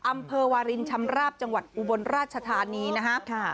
อำเภอวารินชำราบจังหวัดอุบลราชธานีนะครับ